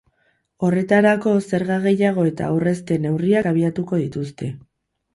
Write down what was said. Horretarako, zerga gehiago eta aurrezte neurriak abiatuko dituzte.